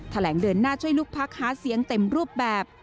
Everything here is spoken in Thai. เดินหน้าช่วยลูกพักหาเสียงเต็มรูปแบบ